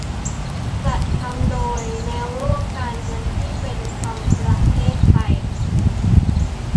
จัดทำโดย แนวร่วมการเงินที่เป็นธรรมประเทศไทย